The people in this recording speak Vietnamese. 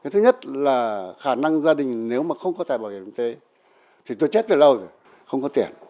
thứ nhất là khả năng gia đình nếu mà không có thẻ bảo hiểm y tế thì tôi chết từ lâu rồi không có tiền